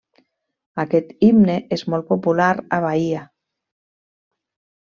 Aquest himne és molt popular a Bahia.